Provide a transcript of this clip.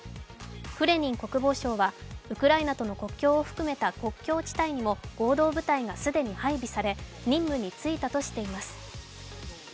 フレニン国防相はウクライナとの国境を含めた国境地帯にも合同部隊が既に配備され、任務に就いたとしています。